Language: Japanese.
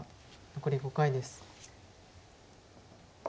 残り５回です。